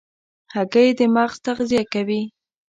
هګۍ د مغز تغذیه کوي.